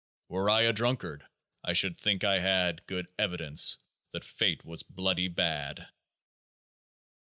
Were I a drunkard, I should think I had Good evidence that fate was " bloody bad."